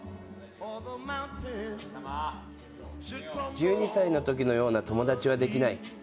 １２歳のときのような友達はできない。